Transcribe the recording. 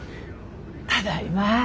ただいま。